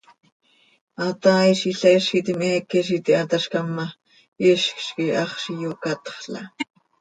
Hataaizil heezitim heeque z iti hatazcam ma, hizcz quih haxz iyocatxla.